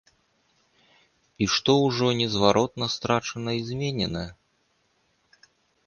І што ўжо незваротна страчана і зменена?